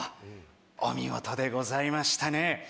お見事でございましたね。